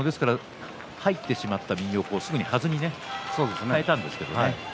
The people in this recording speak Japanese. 入ってしまった右をすぐにはずに変えたんですけどね。